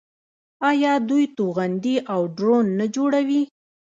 آیا دوی توغندي او ډرون نه جوړوي؟